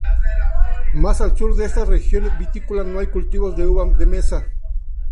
Más al sur de esta región vitícola no hay cultivos de uva de mesa.